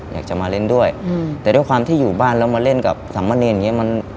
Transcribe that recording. อยากจะมาเล่นด้วยแต่ด้วยความที่อยู่บ้านแล้วมาเล่นกับสามเณรอย่างนี้